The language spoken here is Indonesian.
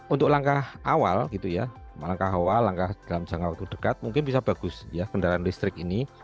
untuk langkah awal langkah dalam jangka waktu dekat mungkin bisa bagus kendaraan listrik ini